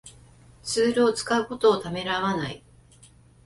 ツールを使うことをためらわない